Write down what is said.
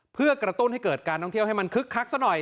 เพื่อกระตุ้นให้เกิดการท่องเที่ยวให้มันคึกคักซะหน่อย